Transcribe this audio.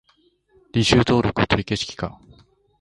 履修登録取り消し期間